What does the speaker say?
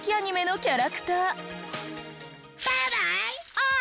あっ！